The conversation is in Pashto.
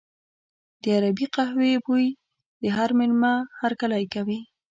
د عربي قهوې بوی د هر مېلمه هرکلی کوي.